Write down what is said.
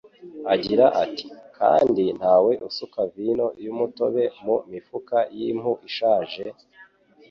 agira ati: "Kandi ntawe usuka vino y'umutobe mu mifuka y'impu ishaje,